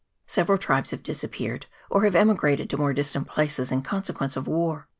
Several tribes have disappeared, or have emi grated to more distant places, in consequence of war.